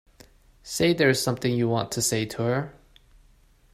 Say there's something you want to say to her.